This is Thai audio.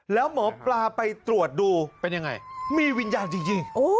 แล้วหมอปลาไปตรวจดูมีวิญญาณจริง